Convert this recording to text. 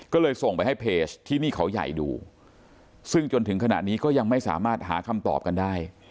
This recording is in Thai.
ก็เลยส่งไปให้เพจที่นี่เขาใหญ่ดูซึ่งจนถึงขณะนี้ก็ยังไม่สามารถหาคำตอบกันได้